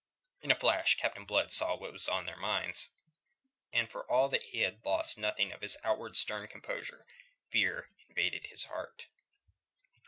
In a flash Captain Blood saw what was in their minds. And for all that he lost nothing of his outward stern composure, fear invaded his heart.